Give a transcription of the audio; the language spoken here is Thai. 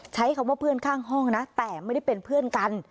ใช้คำว่าเพื่อนข้างห้องนะแต่ไม่ได้เป็นเพื่อนกัน